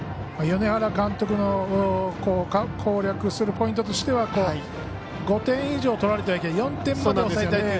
米原監督の攻略するポイントとしては５点以上取られてはいけない。